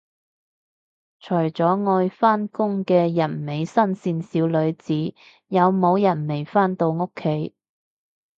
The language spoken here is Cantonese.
除咗愛返工嘅人美心善小女子，有冇人未返到屋企